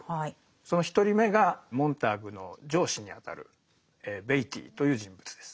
その一人目がモンターグの上司にあたるベイティーという人物です。